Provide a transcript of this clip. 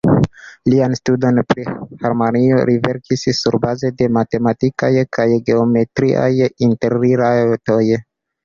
Lian studon pri harmonio, li verkis surbaze de matematikaj kaj geometriaj interrilatoj.